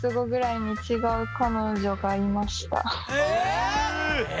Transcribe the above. え！